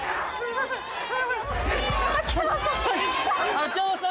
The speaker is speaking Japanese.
・秋山さん